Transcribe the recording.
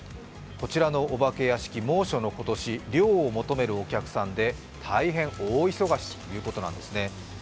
こちらのお化け屋敷、猛暑の今年涼を求めるお客さんで大変、大忙しということなんですね。